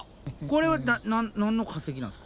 これは何の化石なんすか？